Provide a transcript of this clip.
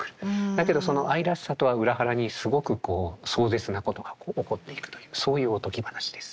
だけどその愛らしさとは裏腹にすごくこう壮絶なことが起こっていくというそういうおとぎ話です。